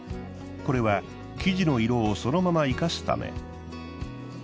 これは生地の色をそのまま生かすため。